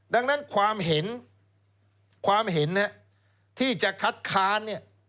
ดังนั้นความเห็นความเห็นที่จะคัดค้านเนี่ย